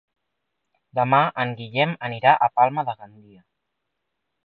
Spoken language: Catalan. Demà en Guillem anirà a Palma de Gandia.